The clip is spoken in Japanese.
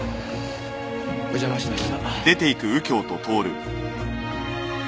お邪魔しました。